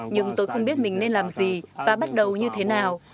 nhưng tôi không biết mình nên làm gì và bắt đầu như thế nào